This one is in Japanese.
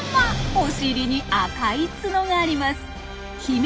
お尻に赤い角があります。